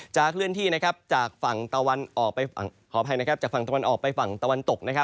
จะเคลื่อนที่จากฝั่งตะวันออกไปฝั่งตะวันตก